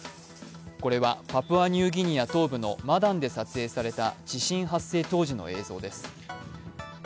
これはパプアニューギニア東部のマダンで撮影された地震発生当時の映像です。